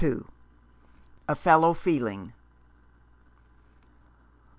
A FELLOW FEELING.